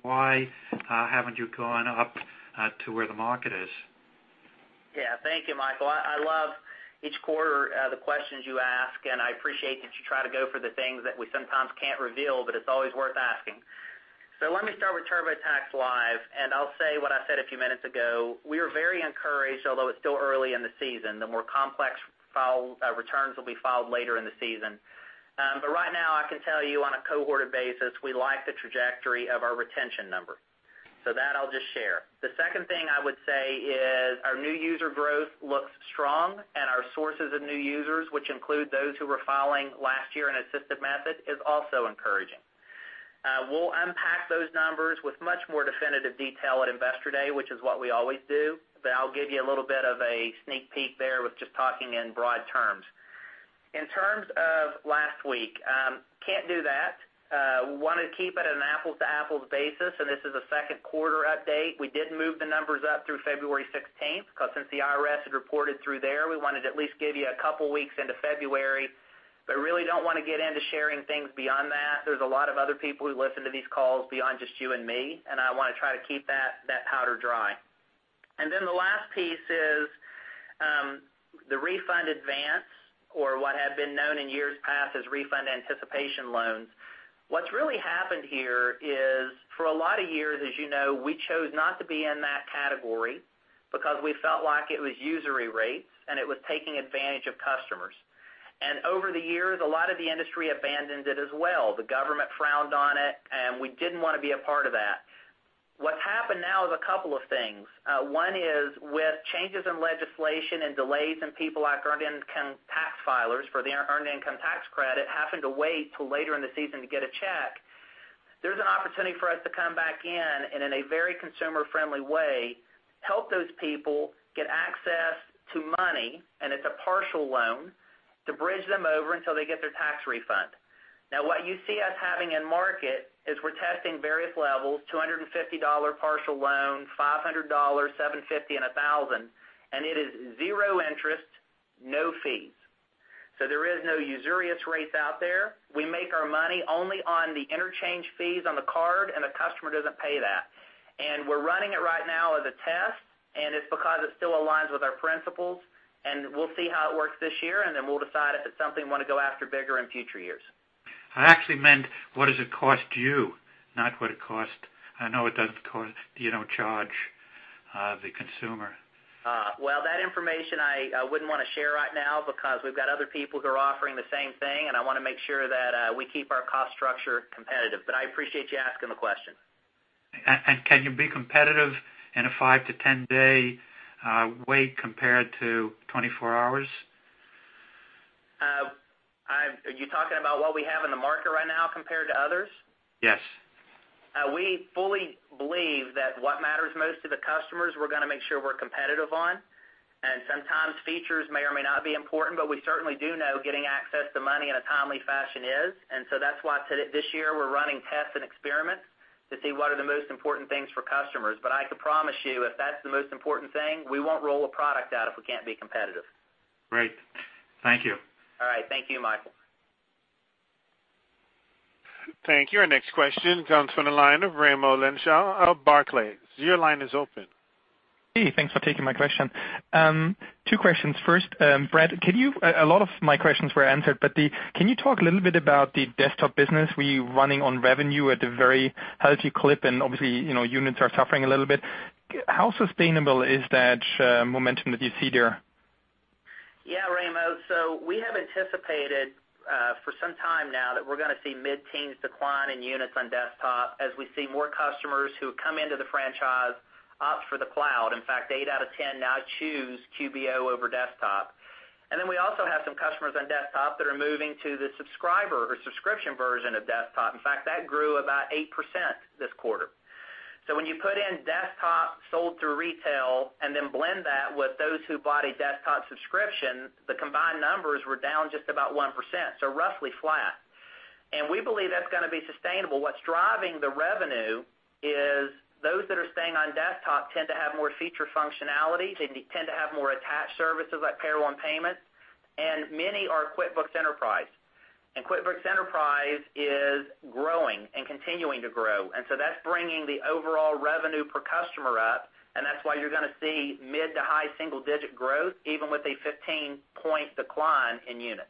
why haven't you gone up to where the market is? Thank you, Michael. I love each quarter, the questions you ask, I appreciate that you try to go for the things that we sometimes can't reveal, it's always worth asking. Let me start with TurboTax Live, I'll say what I said a few minutes ago. We are very encouraged, although it's still early in the season. The more complex returns will be filed later in the season. Right now, I can tell you on a cohorted basis, we like the trajectory of our retention number. That I'll just share. The second thing I would say is our new user growth looks strong, our sources of new users, which include those who were filing last year in assisted method, is also encouraging. We'll unpack those numbers with much more definitive detail at Investor Day, which is what we always do. I'll give you a little bit of a sneak peek there with just talking in broad terms. In terms of last week, can't do that. We want to keep it an apples-to-apples basis, this is a second quarter update. We did move the numbers up through February 16th, because since the IRS had reported through there, we wanted to at least give you a couple of weeks into February, but really don't want to get into sharing things beyond that. There's a lot of other people who listen to these calls beyond just you and me, I want to try to keep that powder dry. Then the last piece is, the refund advance or what had been known in years past as refund anticipation loans. What's really happened here is for a lot of years, as you know, we chose not to be in that category because we felt like it was usury rates, and it was taking advantage of customers. Over the years, a lot of the industry abandoned it as well. The government frowned on it, and we didn't want to be a part of that. What's happened now is a couple of things. One is with changes in legislation and delays in people like earned income tax filers for their earned income tax credit, having to wait till later in the season to get a check, there's an opportunity for us to come back in and in a very consumer-friendly way, help those people get access to money, and it's a partial loan, to bridge them over until they get their tax refund. What you see us having in market is we're testing various levels, $250 partial loan, $500, $750, and $1,000, and it is zero interest, no fees. There is no usurious rates out there. We make our money only on the interchange fees on the card, and the customer doesn't pay that. We're running it right now as a test, and it's because it still aligns with our principles, and we'll see how it works this year, and then we'll decide if it's something we want to go after bigger in future years. I actually meant what does it cost you? Not what it cost I know it doesn't cost, you don't charge the consumer. Well, that information I wouldn't want to share right now because we've got other people who are offering the same thing, and I want to make sure that we keep our cost structure competitive, but I appreciate you asking the question. Can you be competitive in a 5-10 day wait compared to 24 hours? Are you talking about what we have in the market right now compared to others? Yes. We fully believe that what matters most to the customers, we're going to make sure we're competitive on. Sometimes features may or may not be important, but we certainly do know getting access to money in a timely fashion is. That's why this year we're running tests and experiments to see what are the most important things for customers. I can promise you, if that's the most important thing, we won't roll a product out if we can't be competitive. Great. Thank you. All right. Thank you, Michael. Thank you. Our next question comes from the line of Raimo Lenschow of Barclays. Your line is open. Hey, thanks for taking my question. Two questions. First, Brad, a lot of my questions were answered, but can you talk a little bit about the desktop business, where you're running on revenue at a very healthy clip, and obviously, units are suffering a little bit. How sustainable is that momentum that you see there? We have anticipated, for some time now, that we're going to see mid-teens decline in units on desktop as we see more customers who come into the franchise opt for the cloud. In fact, eight out of 10 now choose QBO over desktop. Then we also have some customers on desktop that are moving to the subscriber or subscription version of desktop. In fact, that grew about 8% this quarter. When you put in desktop sold through retail and then blend that with those who bought a desktop subscription, the combined numbers were down just about 1%, so roughly flat. We believe that's going to be sustainable. What's driving the revenue is those that are staying on desktop tend to have more feature functionalities, they tend to have more attached services like payroll and payment, and many are QuickBooks Enterprise. QuickBooks Enterprise is growing and continuing to grow. That's bringing the overall revenue per customer up, and that's why you're going to see mid to high single-digit growth, even with a 15-point decline in units.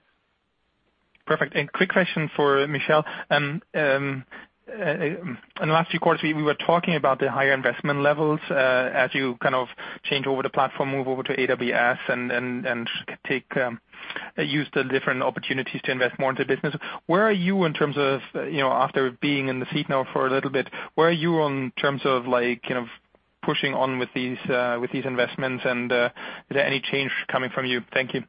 Perfect. Quick question for Michelle. In the last few quarters, we were talking about the higher investment levels, as you kind of change over the platform, move over to AWS, and use the different opportunities to invest more into business. After being in the seat now for a little bit, where are you in terms of pushing on with these investments, and is there any change coming from you? Thank you.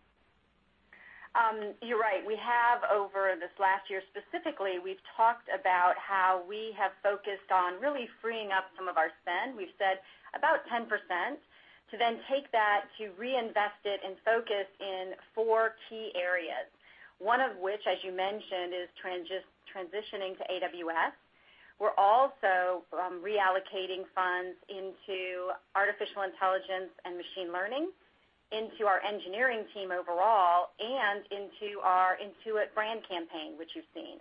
You're right. We have over this last year, specifically, we've talked about how we have focused on really freeing up some of our spend, we've said about 10%, to then take that to reinvest it and focus in four key areas. One of which, as you mentioned, is transitioning to AWS. We're also reallocating funds into artificial intelligence and machine learning, into our engineering team overall, and into our Intuit brand campaign, which you've seen.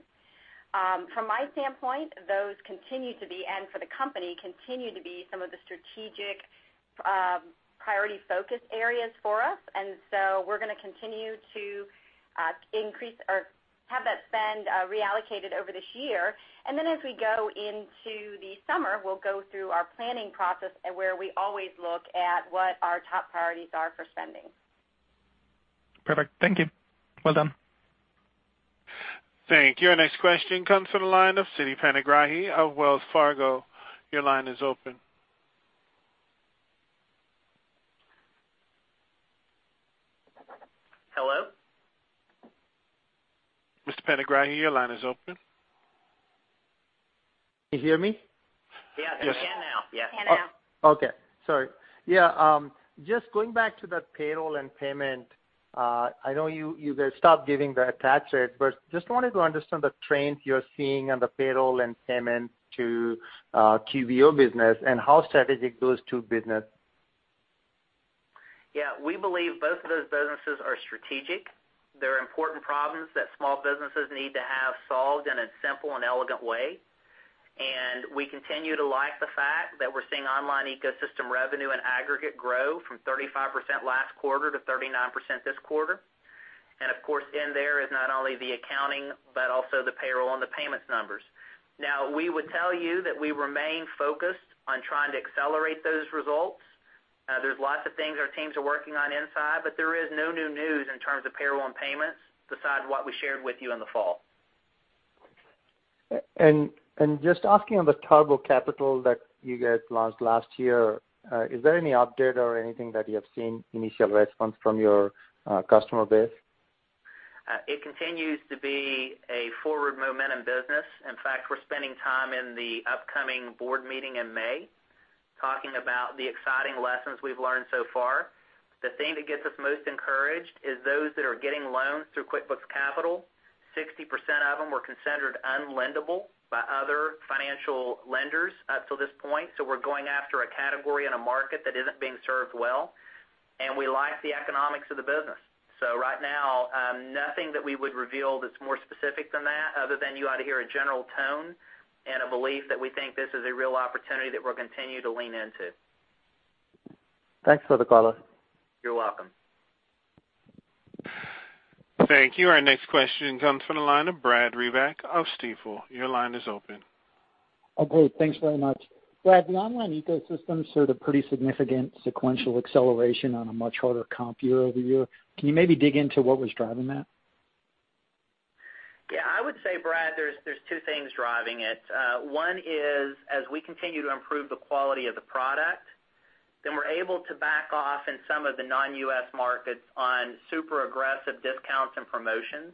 From my standpoint, those continue to be, and for the company, continue to be some of the strategic, priority focus areas for us. We're going to continue to have that spend reallocated over this year. Then as we go into the summer, we'll go through our planning process, where we always look at what our top priorities are for spending. Perfect. Thank you. Well done. Thank you. Our next question comes from the line of Siti Panigrahi of Wells Fargo. Your line is open. Hello? Mr. Panigrahi, your line is open. Can you hear me? Yeah, can hear you now. Yeah. Can now. Okay. Sorry. Yeah. Just going back to that payroll and payment, I know you guys stopped giving the attach rate, but just wanted to understand the trends you're seeing on the payroll and payment to QBO business and how strategic those two business? Yeah. We believe both of those businesses are strategic. They're important problems that small businesses need to have solved in a simple and elegant way. We continue to like the fact that we're seeing online ecosystem revenue and aggregate grow from 35% last quarter to 39% this quarter. Of course, in there is not only the accounting, but also the payroll and the payments numbers. We would tell you that we remain focused on trying to accelerate those results. There's lots of things our teams are working on inside, but there is no new news in terms of payroll and payments besides what we shared with you in the fall. Just asking on the QuickBooks Capital that you guys launched last year, is there any update or anything that you have seen initial response from your customer base? It continues to be a forward momentum business. In fact, we're spending time in the upcoming board meeting in May, talking about the exciting lessons we've learned so far. The thing that gets us most encouraged is those that are getting loans through QuickBooks Capital, 60% of them were considered unlendable by other financial lenders up till this point. We're going after a category and a market that isn't being served well, and we like the economics of the business. Right now, nothing that we would reveal that's more specific than that, other than you ought to hear a general tone and a belief that we think this is a real opportunity that we'll continue to lean into. Thanks for the call. You're welcome. Thank you. Our next question comes from the line of Brad Reback of Stifel. Your line is open. Oh, great. Thanks very much. Brad, the online ecosystem showed a pretty significant sequential acceleration on a much harder comp year-over-year. Can you maybe dig into what was driving that? Yeah. I would say, Brad, there's two things driving it. One is as we continue to improve the quality of the product. We're able to back off in some of the non-U.S. markets on super aggressive discounts and promotions.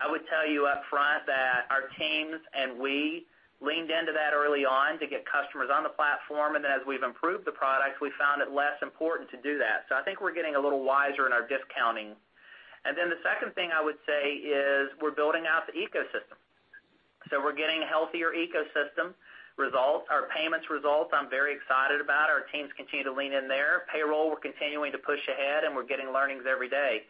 I would tell you upfront that our teams and we leaned into that early on to get customers on the platform, and then as we've improved the products, we found it less important to do that. I think we're getting a little wiser in our discounting. The second thing I would say is we're building out the ecosystem. We're getting a healthier ecosystem result. Our payments results, I'm very excited about. Our teams continue to lean in there. Payroll, we're continuing to push ahead, and we're getting learnings every day.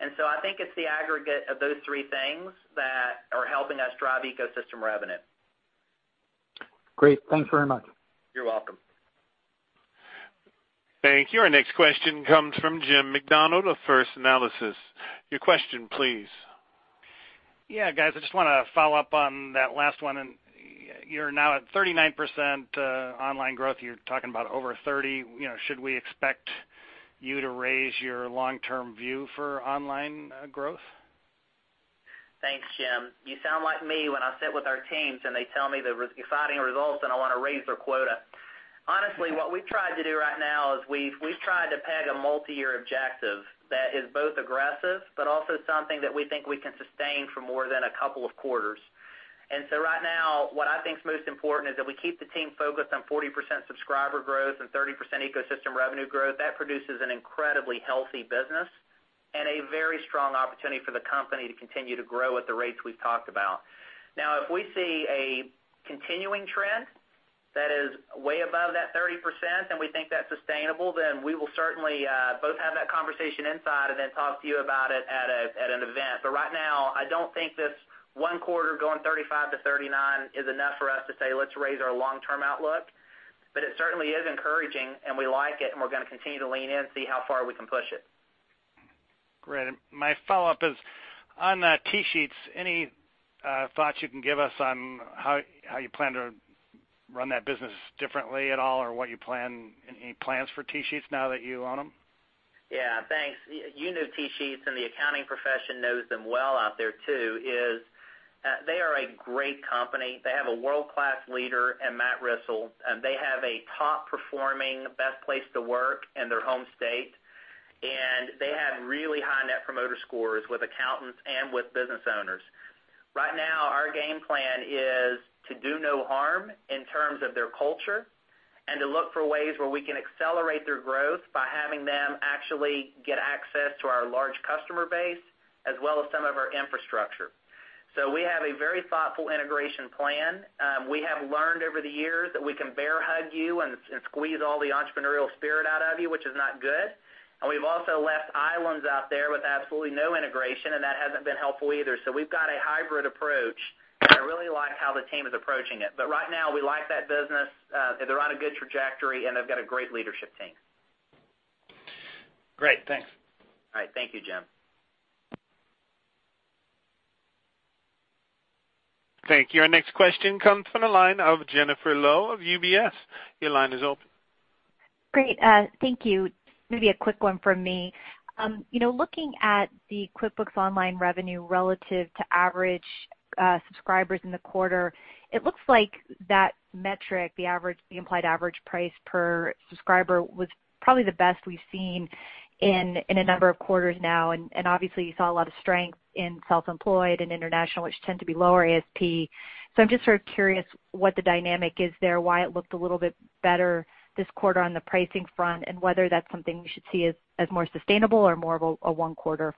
I think it's the aggregate of those three things that are helping us drive ecosystem revenue. Great. Thanks very much. You're welcome. Thank you. Our next question comes from Jim Macdonald of First Analysis. Your question, please. Yeah, guys, I just want to follow up on that last one. You're now at 39% online growth. You're talking about over 30. Should we expect you to raise your long-term view for online growth? Thanks, Jim. You sound like me when I sit with our teams, and they tell me the exciting results, and I want to raise their quota. Honestly, what we've tried to do right now is we've tried to peg a multi-year objective that is both aggressive, but also something that we think we can sustain for more than a couple of quarters. Right now, what I think is most important is that we keep the team focused on 40% subscriber growth and 30% ecosystem revenue growth. That produces an incredibly healthy business and a very strong opportunity for the company to continue to grow at the rates we've talked about. Now, if we see a continuing trend that is way above that 30% and we think that's sustainable, we will certainly both have that conversation inside and then talk to you about it at an event. Right now, I don't think this one quarter going 35 to 39 is enough for us to say, let's raise our long-term outlook. It certainly is encouraging, and we like it, and we're going to continue to lean in, see how far we can push it. Great. My follow-up is on the TSheets, any thoughts you can give us on how you plan to run that business differently at all or any plans for TSheets now that you own them? Yeah, thanks. You know TSheets, and the accounting profession knows them well out there, too, is they are a great company. They have a world-class leader in Matt Rissell, and they have a top-performing best place to work in their home state, and they have really high net promoter scores with accountants and with business owners. Right now, our game plan is to do no harm in terms of their culture and to look for ways where we can accelerate their growth by having them actually get access to our large customer base as well as some of our infrastructure. We have a very thoughtful integration plan. We have learned over the years that we can bear hug you and squeeze all the entrepreneurial spirit out of you, which is not good. We've also left islands out there with absolutely no integration, and that hasn't been helpful either. We've got a hybrid approach, and I really like how the team is approaching it. Right now, we like that business. They're on a good trajectory, and they've got a great leadership team. Great. Thanks. All right. Thank you, Jim. Thank you. Our next question comes from the line of Jennifer Lowe of UBS. Your line is open. Great. Thank you. Maybe a quick one from me. Looking at the QuickBooks Online revenue relative to average subscribers in the quarter, it looks like that metric, the implied average price per subscriber, was probably the best we've seen in a number of quarters now, and obviously, you saw a lot of strength in self-employed and international, which tend to be lower ASP. I'm just sort of curious what the dynamic is there, why it looked a little bit better this quarter on the pricing front, and whether that's something we should see as more sustainable or more of a one-quarter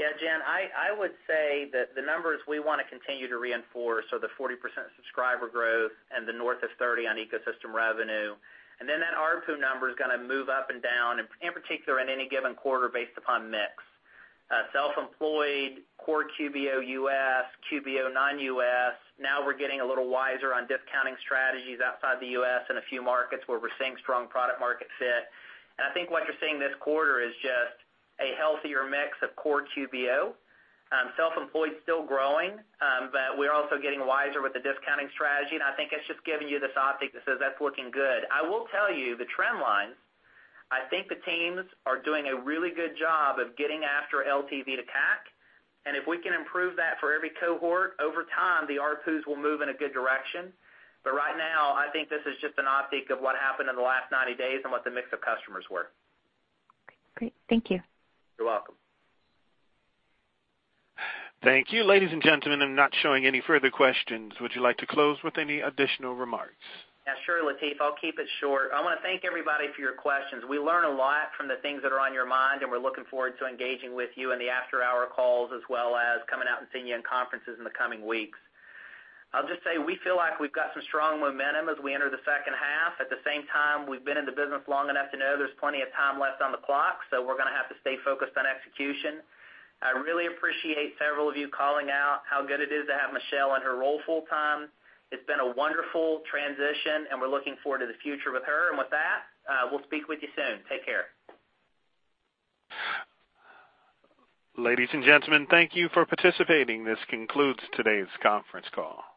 phenomena. Jen, I would say that the numbers we want to continue to reinforce are the 40% subscriber growth and the north of 30 on ecosystem revenue. That ARPU number is going to move up and down, in particular in any given quarter based upon mix. Self-employed, core QBO U.S., QBO non-U.S. Now we're getting a little wiser on discounting strategies outside the U.S. in a few markets where we're seeing strong product-market fit. I think what you're seeing this quarter is just a healthier mix of core QBO. Self-employed is still growing, but we're also getting wiser with the discounting strategy, and I think it's just giving you this optic that says that's looking good. I will tell you the trend lines, I think the teams are doing a really good job of getting after LTV to CAC, and if we can improve that for every cohort over time, the ARPUs will move in a good direction. Right now, I think this is just an optic of what happened in the last 90 days and what the mix of customers were. Great. Thank you. You're welcome. Thank you. Ladies and gentlemen, I'm not showing any further questions. Would you like to close with any additional remarks? Yeah, sure, uncertain. I'll keep it short. I want to thank everybody for your questions. We learn a lot from the things that are on your mind, and we're looking forward to engaging with you in the after-hour calls as well as coming out and seeing you in conferences in the coming weeks. I'll just say we feel like we've got some strong momentum as we enter the second half. At the same time, we've been in the business long enough to know there's plenty of time left on the clock, so we're going to have to stay focused on execution. I really appreciate several of you calling out how good it is to have Michelle in her role full time. It's been a wonderful transition, and we're looking forward to the future with her. With that, we'll speak with you soon. Take care. Ladies and gentlemen, thank you for participating. This concludes today's conference call.